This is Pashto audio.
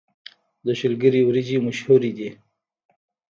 د شولګرې وريجې مشهورې دي